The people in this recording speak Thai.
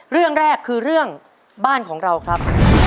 เรื่องแรกคือเรื่องบ้านของเราครับ